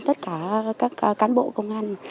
tất cả các cán bộ công an